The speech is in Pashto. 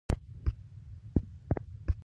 او دې چارې سره زموږ ارزښتونه هم تغيير کوي.